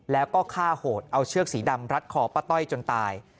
แล้วก็ฆ่าโหดเอาเชือกสีดำรัดคอป้าต้อยจนตาย